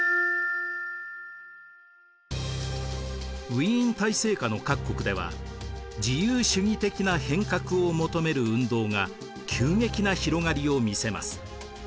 ウィーン体制下の各国では自由主義的な変革を求める運動が急激な広がりを見せます。